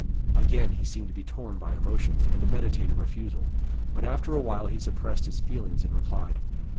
Again he seemed to be torn by emotion, and to meditate a refusal; but after a while he suppressed his feelings, and replied.